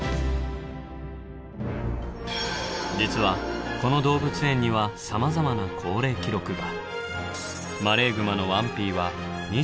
実はこの動物園にはさまざまな高齢記録が。